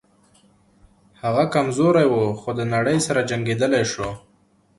هغه کمزوری و خو د نړۍ سره جنګېدلی شو